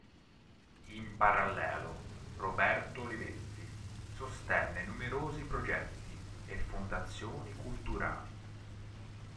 In parallelo, Roberto Olivetti sostenne numerosi progetti e fondazioni culturali.